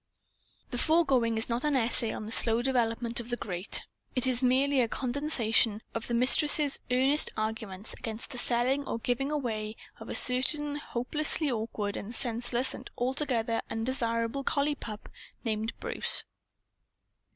The foregoing is not an essay on the slow development of the Great. It is merely a condensation of the Mistress's earnest arguments against the selling or giving away of a certain hopelessly awkward and senseless and altogether undesirable collie pup named Bruce.